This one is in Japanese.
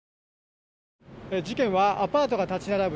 事件はアパートが立ち並ぶ